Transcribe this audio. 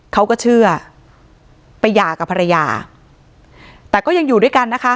เขาก็เชื่อไปหย่ากับภรรยาแต่ก็ยังอยู่ด้วยกันนะคะ